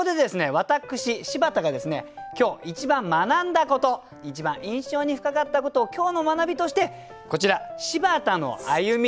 私柴田がですね今日一番学んだこと一番印象に深かったことを今日の学びとしてこちら「柴田の歩み」